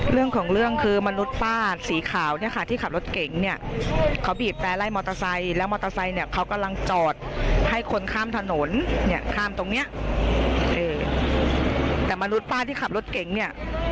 เรื่องของเรื่องคือมนุษย์ป้าสีขาวเนี่ยค่ะที่ขับรถเก่งเนี่ยเขาบีบแต่ไล่มอเตอร์ไซค์แล้วมอเตอร์ไซค์เนี่ยเขากำลังจอดให้คนข้ามถนนเนี่ยข้ามตรงเนี้ยเออแต่มนุษย์ป้าที่ขับรถเก่งเนี่ย